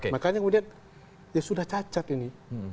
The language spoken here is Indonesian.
makanya kemudian ya sudah cacat ini